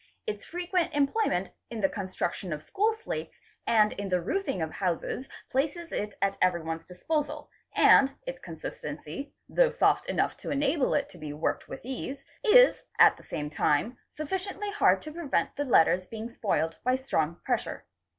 Its frequent employment in the construction — of school slates and in the roofing of houses places it at everyone's disposal, and its consistency, though soft enough to enable it to be worked with ease, is at the same time sufticiently hard to prevent the letters being spoiled by strong pressure.